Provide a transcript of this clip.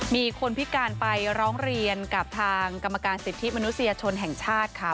มีคนพิการไปร้องเรียนกับทางกรรมการสิทธิมนุษยชนแห่งชาติค่ะ